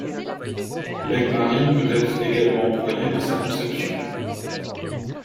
L'aigue-marine peut être également employée dans sa conception.